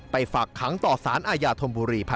ฝากขังต่อสารอาญาธมบุรี